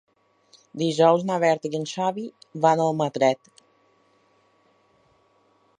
Dijous na Berta i en Xavi van a Almatret.